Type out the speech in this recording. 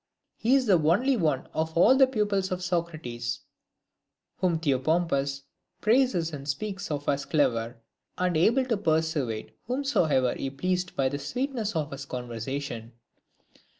VIII. He is the only one of all the pupils of Socrates, whom Theopompus praises and speaks of as clever, and able to persuade whomsoever he pleased by the sweetness of his conversation.